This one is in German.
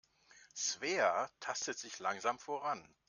Svea tastet sich langsam voran.